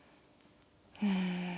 うん。